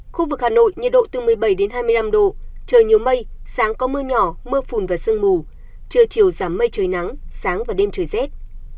khu vực hà nội nhiệt độ từ một mươi bảy đến hai mươi năm độ trời nhiều mây sáng có mưa nhỏ mưa phùn và sương mù trưa chiều giảm mây trời nắng sáng và đêm trời rét